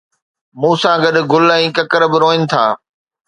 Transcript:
مون سان گڏ گل ۽ ڪڪر به روئن ٿا